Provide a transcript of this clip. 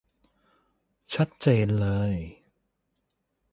ชัดเจนเลย